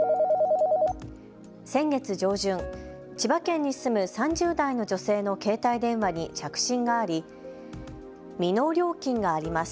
先月上旬、千葉県に住む３０代の女性の携帯電話に着信があり、未納料金があります。